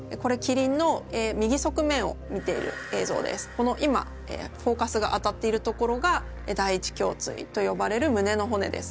この今フォーカスが当たっている所が第一胸椎と呼ばれる胸の骨です。